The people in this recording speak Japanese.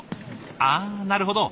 ああなるほど。